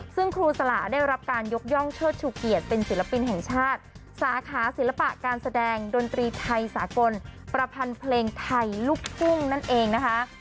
ซึ่งครูสละได้รับการยกย่องเชิดชูเกียรติเป็นศิลปินแห่งชาติสาขาศิลปะการแสดงดนตรีไทยสากลประพันธ์เพลงไทยลูกทุ่งนั่นเองนะคะ